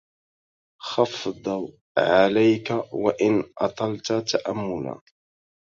خفض عليك وإن أطلت تأملا